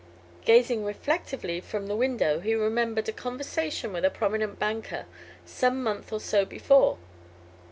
Gazing reflectively from the window he remembered a conversation with a prominent banker some month or so before.